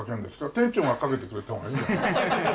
店長がかけてくれた方がいいんじゃない？